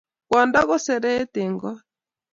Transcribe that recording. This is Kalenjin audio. Kwondo ko seret en kot